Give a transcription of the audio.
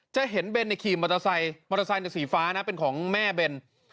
จะเห็นเบนขี่มอเตอร์ไซค์มอเตอร์ไซค์สีฟ้านะเป็นของแม่เบน